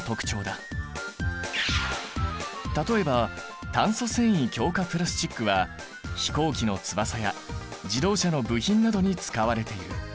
例えば炭素繊維強化プラスチックは飛行機の翼や自動車の部品などに使われている。